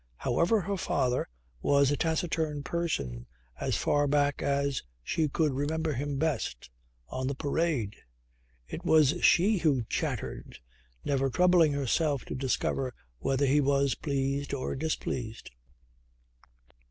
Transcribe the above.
However her father was a taciturn person as far back as she could remember him best on the Parade. It was she who chattered, never troubling herself to discover whether he was pleased or displeased.